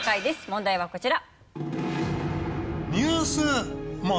問題はこちら。